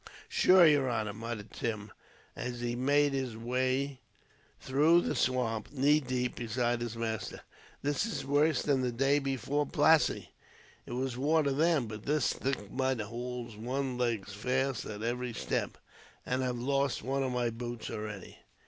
"Shure, yer honor," muttered Tim, as he made his way through the swamp, knee deep, beside his master, "this is worse than the day before Plassey. It was water then, but this thick mud houlds one's legs fast at every step. I've lost one of my boots, already."